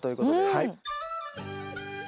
はい。